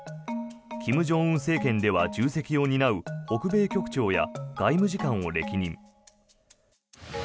金正恩政権では重責を担う北米局長や外務次官を歴任。